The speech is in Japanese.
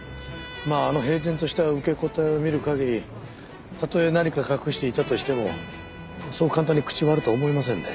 まああの平然とした受け答えを見る限りたとえ何か隠していたとしてもそう簡単に口を割るとは思えませんね。